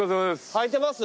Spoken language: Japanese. はいてます？